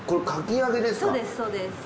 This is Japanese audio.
そうですそうです。